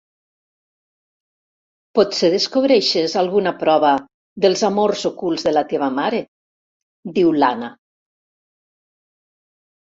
Potser descobreixes alguna prova dels amors ocults de la teva mare — diu l'Anna.